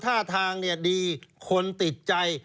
ท่าทางดีคนติดใจ